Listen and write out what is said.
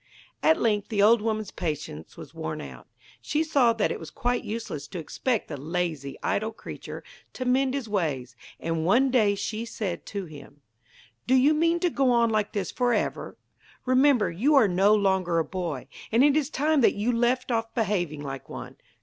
At length the old woman's patience was worn out. She saw that it was quite useless to expect the lazy, idle creature to mend his ways, and one day she said to him: 'Do you mean to go on like this for ever? Remember, you are no longer a boy, and it is time that you left off behaving like one.